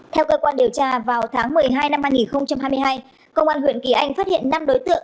theo cơ quan điều tra vào tháng một mươi hai năm hai nghìn hai mươi hai công an huyện kỳ anh phát hiện năm đối tượng